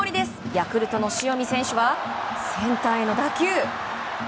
ヤクルトの塩見選手はセンターへの打球。